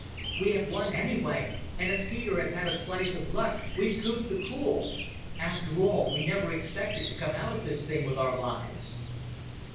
We have won anyway; and if Peter has had a slice of luck, we've scooped the pool ... After all, we never expected to come out of this thing with our lives."